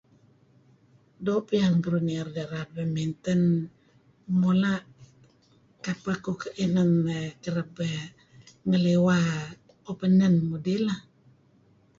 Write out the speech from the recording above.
Doo' piyan keduih nier ideh raut badminton mula ileh lemulun neliwa dulun ngidih lah